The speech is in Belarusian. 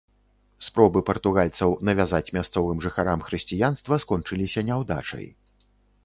Спробы партугальцаў навязаць мясцовым жыхарам хрысціянства скончыліся няўдачай.